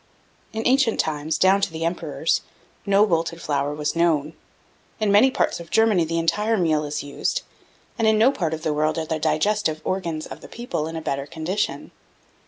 In ancient times, down to the Emperors, no bolted flour was known. In many parts of Germany the entire meal is used; and in no part of the world are the digestive organs of the people in a better condition.